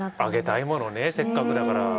あげたいものねせっかくだから。